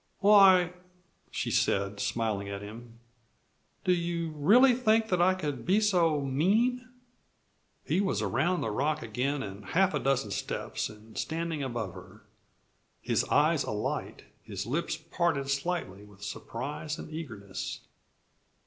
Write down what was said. "Why," she said smiling at him, "do you really think that I could be so mean?" He was around the rock again in half a dozen steps and standing above her, his eyes alight, his lips parted slightly with surprise and eagerness.